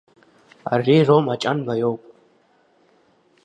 Ари Рома Ҷанба иоуп.